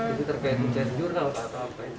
itu terkait dengan jurnal